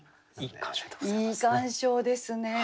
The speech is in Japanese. いい鑑賞ですね。